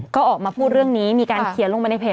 ก็ออกมาพูดเรื่องนี้มีการเขียนลงไปในเพจ